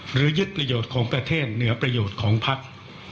หรือยึดประโยชน์ของประเทศเหนือประโยชน์ของพัก